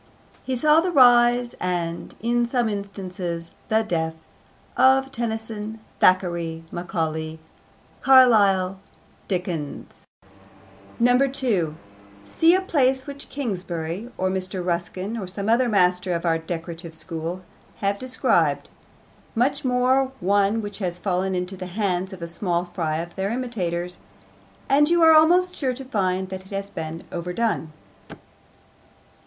He saw the rise, and, in some instances, the death, of Tennyson, Thackeray, Macaulay, Carlyle, Dickens. 2. See a place which Kingsley, or Mr. Ruskin, or some other master of our decorative school, have described much more one which has fallen into the hands of the small fry of their imitators and you are almost sure to find that it has been overdone.